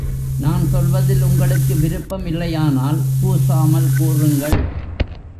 நான் சொல்வதில் உங்களுக்கு விருப்பம் இல்லையானால், கூசாமல் கூறுங்கள்.